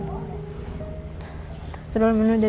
kita selalu menunjukan